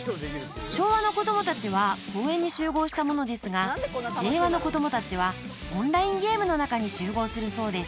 ［昭和の子供たちは公園に集合したものですが令和の子供たちはオンラインゲームの中に集合するそうです］